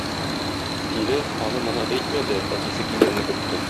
Тиле аны-моны әйтмәде, әтисе килгәнне көтте.